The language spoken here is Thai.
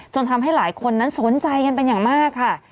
ทำให้หลายคนนั้นสนใจกันเป็นอย่างมากค่ะ